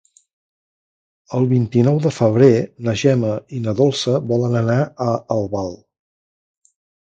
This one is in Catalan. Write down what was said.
El vint-i-nou de febrer na Gemma i na Dolça volen anar a Albal.